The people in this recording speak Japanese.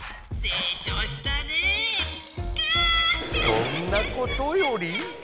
そんなことより！